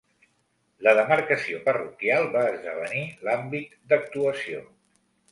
La demarcació parroquial va esdevenir l'àmbit d'actuació.